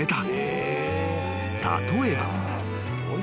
［例えば］